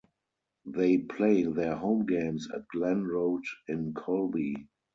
They play their home games at Glen Road in Colby.